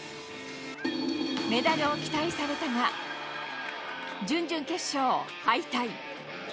メダルを期待されたが、準々決勝敗退。